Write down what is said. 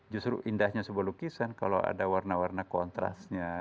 justru indahnya sebuah lukisan kalau ada warna warna kontrasnya